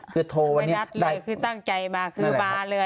คือโทรวันนี้ตั้งใจมาคือมาเลย